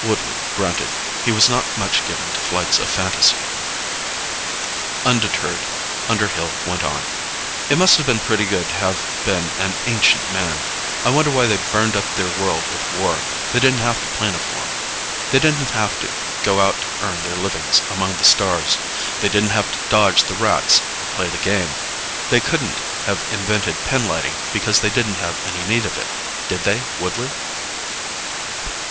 Woodley grunted. He was not much given to flights of fantasy. Undeterred, Underhill went on, "It must have been pretty good to have been an Ancient Man. I wonder why they burned up their world with war. They didn't have to planoform. They didn't have to go out to earn their livings among the stars. They didn't have to dodge the Rats or play the Game. They couldn't have invented pinlighting because they didn't have any need of it, did they, Woodley?"